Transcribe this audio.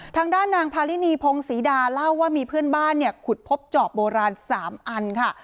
ทางด้านนางพาลินีพงศรีดาเล่าว่ามีเพื่อนบ้านเนี่ยขุดพบจอบโบราณ๓อันค่ะ